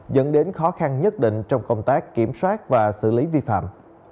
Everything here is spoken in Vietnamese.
dẫn đến khó khăn nhất định trong công tác kiểm soát và xử lý vi phạm